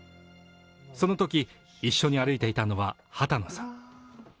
そのとき、一緒に歩いていたのは波多野さん。